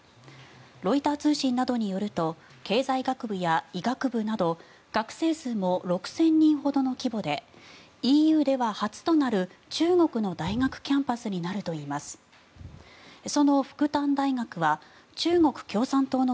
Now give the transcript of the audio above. ロイター通信などによると経済学部や医学部など学生数も６０００人ほどの規模でＥＵでは初となる中国の大学キャンパスになるといいます。